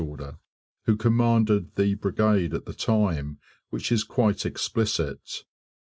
who commanded the Brigade at the time, which is quite explicit.